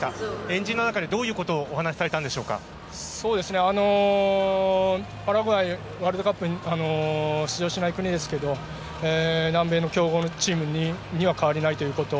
円陣の中でどういうことをパラグアイはワールドカップに出場しない国ですけど南米の強豪のチームには変わりないということ。